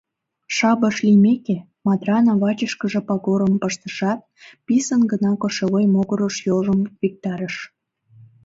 «Шабаш» лиймеке, Матрана вачышкыже пагорым пыштышат, писын гына кошевой могырыш йолжым виктарыш.